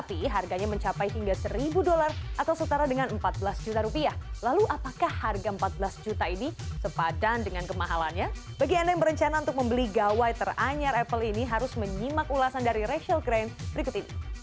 terima kasih anda yang berencana untuk membeli gawai teranyar apple ini harus menyimak ulasan dari rachel crane berikut ini